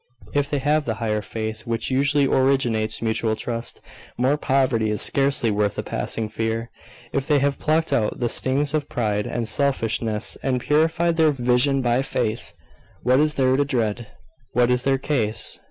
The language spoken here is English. If they have the higher faith which usually originates mutual trust, mere poverty is scarcely worth a passing fear. If they have plucked out the stings of pride and selfishness, and purified their vision by faith, what is there to dread? What is their case?